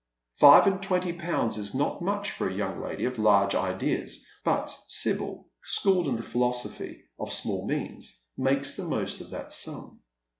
Five and twenty pounds is not much for a young lady of large ideas, but Sibyl, schooled in the philosophy of small means, makes the most of that sum.